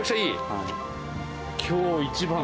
はい。